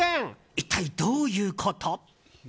一体どういうこと？